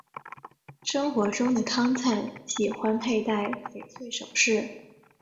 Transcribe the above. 生活中的汤灿喜欢佩戴翡翠首饰。